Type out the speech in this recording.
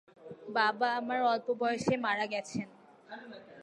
বাবা আমার অল্প বয়সে মারা গেছেন।